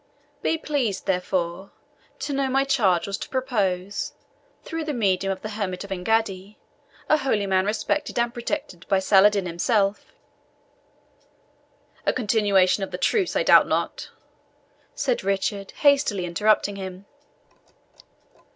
Be pleased, therefore, to know my charge was to propose, through the medium of the hermit of Engaddi a holy man, respected and protected by Saladin himself " "A continuation of the truce, I doubt not," said Richard, hastily interrupting him.